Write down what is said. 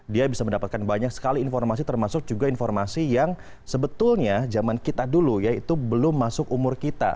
dia bisa mendapatkan banyak sekali informasi termasuk juga informasi yang sebetulnya zaman kita dulu yaitu belum masuk umur kita